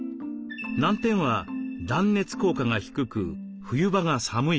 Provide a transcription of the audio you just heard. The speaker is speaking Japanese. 難点は断熱効果が低く冬場が寒いこと。